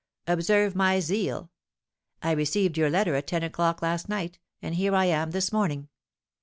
'Observe my zeal! I received your letter at ten o'clock last night, and here I am this morning.